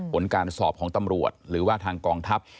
ผลการสอบของตำรวจหรือว่าทางกองทัพ